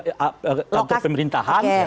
lokasi kantor pemerintahan oke